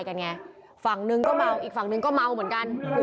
ไอ้ไอ้ไอ้ไอ้ไอ้ไอ้ไอ้